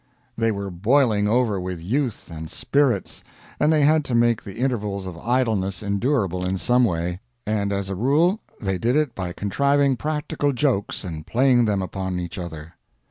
They were boiling over with youth and spirits, and they had to make the intervals of idleness endurable in some way; and as a rule, they did it by contriving practical jokes and playing them upon each other.